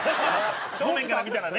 正面から見たらね。